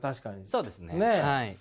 そうですねはい。